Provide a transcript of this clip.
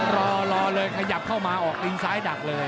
รอรอเลยขยับเข้ามาออกตีนซ้ายดักเลย